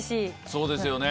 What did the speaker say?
そうですよね。